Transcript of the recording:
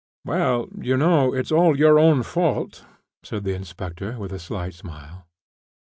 "Well, you know, it's all your own fault," said the inspector, with a slight smile.